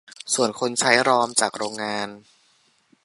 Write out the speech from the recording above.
ส่วนคนใช้รอมจากโรงงาน